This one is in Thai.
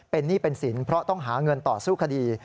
เป็นหนี้เป็นสินเพราะต้องหาเงินต่อสู้คดี